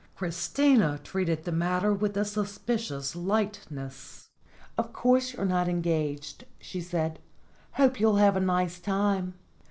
Christina treated the matter with a suspicious light ness. "Of course you're not engaged," she said. "Hope you'll have a nice time.